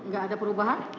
gak ada perubahan